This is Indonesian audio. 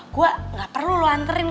gue gak perlu lo nganterin